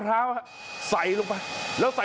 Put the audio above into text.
เทสมุนไพรลงไป